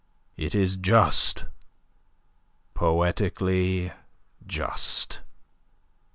It is just poetically just.